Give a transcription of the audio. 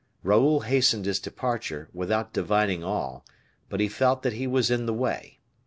Raoul hastened his departure, without divining all, but he felt that he was in the way.